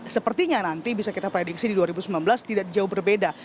sepertinya nanti bisa kita prediksi di dua ribu sembilan belas tidak jauh berbeda